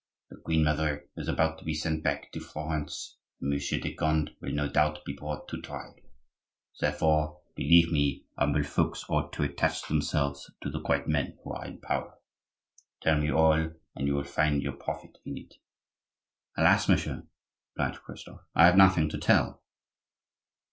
The queen mother is about to be sent back to Florence, and Monsieur de Conde will no doubt be brought to trial. Therefore, believe me, humble folks ought to attach themselves to the great men who are in power. Tell me all; and you will find your profit in it." "Alas, monsieur," replied Christophe; "I have nothing to tell.